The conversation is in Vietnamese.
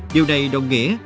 điều này đồng nghĩa